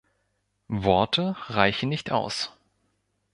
Worte reichen nicht aus.